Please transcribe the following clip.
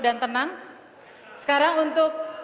dan tenang sekarang untuk